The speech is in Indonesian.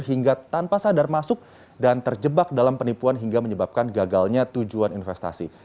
hingga tanpa sadar masuk dan terjebak dalam penipuan hingga menyebabkan gagalnya tujuan investasi